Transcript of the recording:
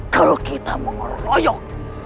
kalau kita mengeroyok